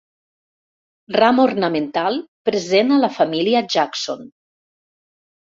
Ram ornamental present a la família Jackson.